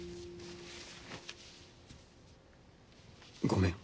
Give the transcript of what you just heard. ごめん。